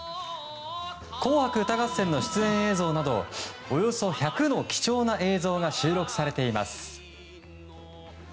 「紅白歌合戦」の出演映像などおよそ１００の貴重な映像が収録されています。